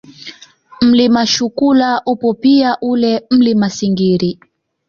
Mlima Shukula upo pia ule Mlima Singiri